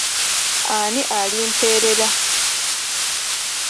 Ani alimperera?